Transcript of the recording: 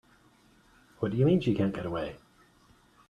What do you mean she can't get away?